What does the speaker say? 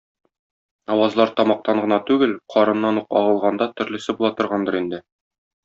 Авазлар тамактан гына түгел, карыннан ук агылганда төрлесе була торгандыр инде.